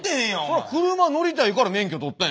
そら車乗りたいから免許取ったんやんか。